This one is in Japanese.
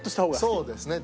そうですね。